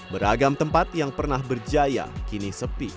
beragam tempat yang pernah berjaya kini sepi